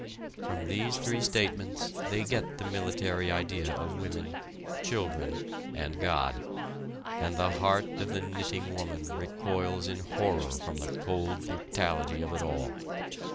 From these three statements they get the military idea of women, children, and God, and the heart of the knitting woman recoils in horror from the cold brutality of it all.